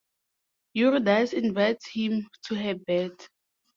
Eurydice invites him to her bed.